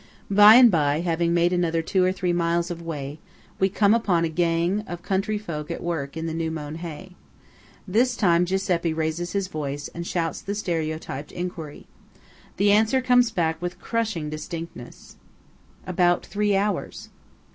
By and by, having made another two or three miles of way, we come upon a gang of country folk at work in the new mown hay. This time Giuseppe raises his voice, and shouts the stereotyped enquiry. The answer comes back with crushing distinctness:– "About three hours."